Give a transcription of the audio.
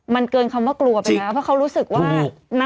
มันเกินคำว่ากลัวไปแล้วเพราะเขารู้สึกว่า